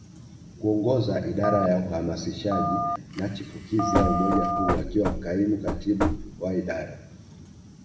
kuongoza Idara ya Uhamasishaji na Chipukizi ya umoja huu akiwa kaimu katibu wa idara